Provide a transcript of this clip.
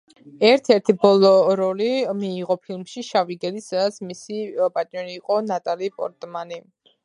ერთ-ერთი ბოლო როლი მიიღო ფილმში „შავი გედი“, სადაც მისი პარტნიორი იყო ნატალი პორტმანი.